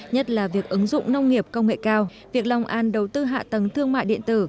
nhất là việc ứng dụng nông nghiệp công nghệ cao việc long an đầu tư hạ tầng thương mại điện tử